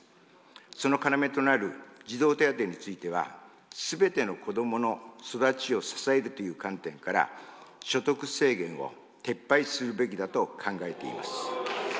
その要となる児童手当については、すべての子どもの育ちを支えるという観点から、所得制限を撤廃するべきだと考えています。